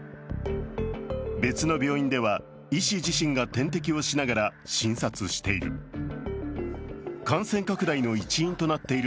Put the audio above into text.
別の病院では、医師自身が点滴をしながら診察している。